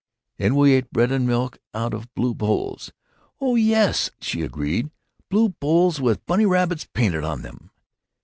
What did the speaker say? "And we ate bread and milk out of blue bowls!" "Oh yes!" she agreed, "blue bowls with bunny rabbits painted on them."